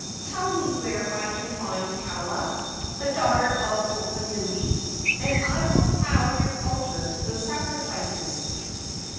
Tell me where I can find Kaala, the daughter of Oponui, and I will pile your altars with sacrifices!"